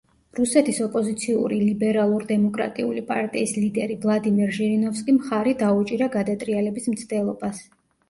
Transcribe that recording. რუსეთის ოპოზიციური ლიბერალურ-დემოკრატიული პარტიის ლიდერი ვლადიმერ ჟირინოვსკი მხარი დაუჭირა გადატრიალების მცდელობას.